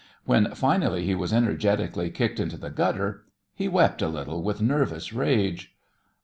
When finally he was energetically kicked into the gutter, he wept a little with nervous rage.